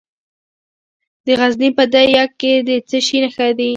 د غزني په ده یک کې د څه شي نښې دي؟